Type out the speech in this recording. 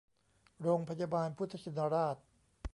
โรงพยาบาลพุทธชินราช